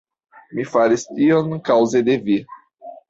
Mi faris tion kaŭze de vi.